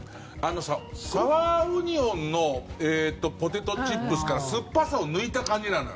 サワーオニオンのポテトチップスから酸っぱさを抜いた感じなのよ。